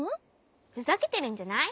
ふざけてるんじゃない？